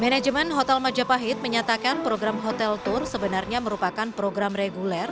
manajemen hotel majapahit menyatakan program hotel tour sebenarnya merupakan program reguler